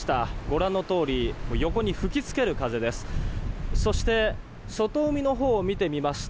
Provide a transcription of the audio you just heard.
ご覧のとおり横に吹き付ける風です。